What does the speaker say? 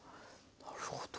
なるほど。